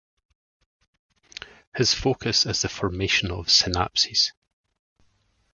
His focus is the formation of synapses.